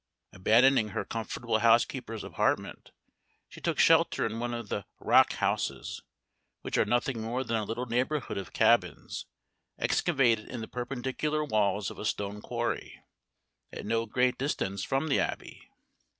Abandoning her comfortable housekeeper's apartment, she took shelter in one of the "rockhouses," which are nothing more than a little neighborhood of cabins, excavated in the perpendicular walls of a stone quarry, at no great distance from the Abbey.